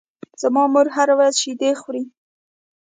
زما مور هره ورځ شیدې خوري.